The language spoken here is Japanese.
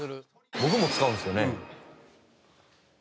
僕も使うんですよね？